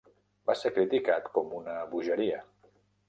Va ser criticar com una "bogeria".